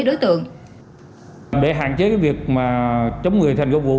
để hạn chế cái việc mà chống người thi hành công vụ